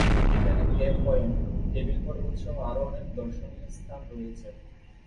এখানে Cape Point, table পর্বত সহ আরো অনেক দর্শনীয় স্থান রয়েছে।